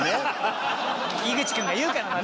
井口君が言うからまた。